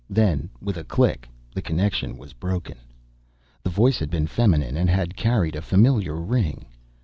Then, with a click, the connection was broken. The voice had been feminine and had carried a familiar ring.